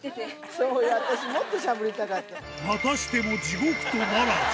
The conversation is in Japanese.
そうよ、私、またしても地獄とならず。